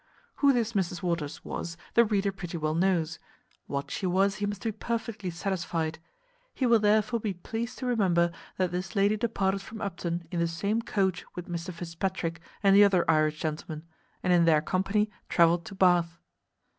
Who this Mrs Waters was, the reader pretty well knows; what she was, he must be perfectly satisfied. He will therefore be pleased to remember that this lady departed from Upton in the same coach with Mr Fitzpatrick and the other Irish gentleman, and in their company travelled to Bath.